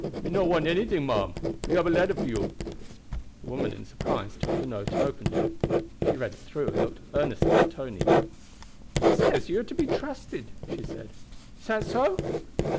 "Me no want anything, ma'am. Me hab a letter for you." The woman in surprise took the note and opened it. She read it through and looked earnestly at Tony. "He says you are to be trusted," she said. "Is that so?"